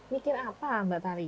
mikir apa mbak tari